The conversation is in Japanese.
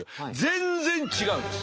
全然違うんです。